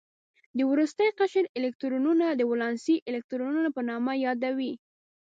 د وروستي قشر الکترونونه د ولانسي الکترونونو په نوم یادوي.